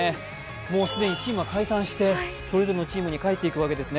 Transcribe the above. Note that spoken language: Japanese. もう既にチームは解散してそれぞれのチームに帰っていくわけです。